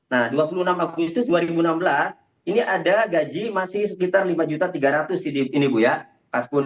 nah dua puluh enam agustus dua ribu enam belas ini ada gaji masih sekitar lima juta tiga ratus ini bu yas pun